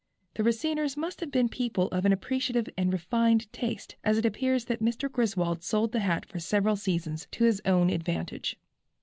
The Raciners must have been people of an appreciative and refined taste, as it appears that Mr. Griswold sold the hat for several seasons to his own advantage.